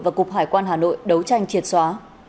và cục hải quan hà nội đấu tranh triệt xóa